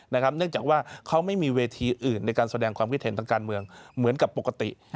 เนื่องจากว่าเขาไม่มีเวทีอื่นในการแสดงความคิดเห็นทางการเมืองเหมือนกับปกติ